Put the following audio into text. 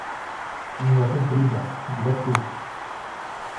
Língua comprida - vida curta.